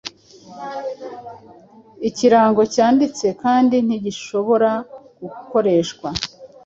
ikirango cyanditse kandi ntigishobora gukoreshwa